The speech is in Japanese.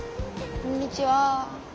こんにちは。